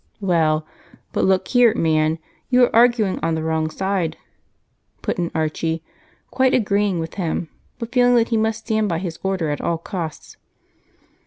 "Well, but look here, man you are arguing on the wrong side," put in Archie, quite agreeing with him, but feeling that he must stand by his order at all costs.